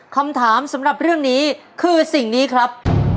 คำถามสำหรับเรื่องนี้คือสิ่งนี้ครับ